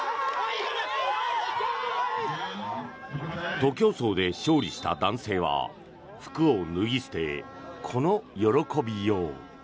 徒競走で勝利した男性は服を脱ぎ捨て、この喜びよう。